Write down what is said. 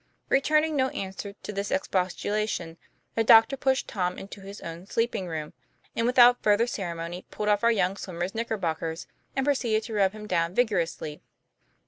Returning no answer to this expostulation, the doctor pushed Tom into his own sleeping room, and without further ceremony pulled off our young swim mer's knickerbockers, and proceeded to rub him down vigorously.